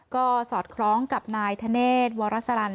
ก็สอดคล้องกับนายธเนตวรรษรรรณ